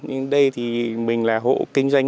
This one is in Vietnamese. nhưng đây thì mình là hộ kinh doanh